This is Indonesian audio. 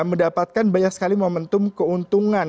mendapatkan banyak sekali momentum keuntungan